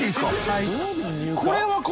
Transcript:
はい。